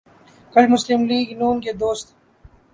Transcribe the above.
کل مسلم لیگ ن کے دوست